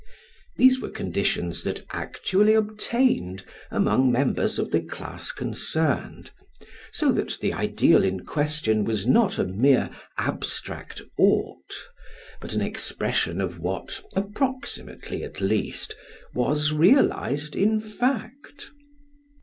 These were conditions that actually obtained among members of the class concerned; so that the ideal in question was not a mere abstract "ought", but an expression of what, approximately at least, was realised in fact.